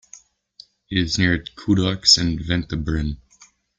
It is near Coudoux and Ventabren.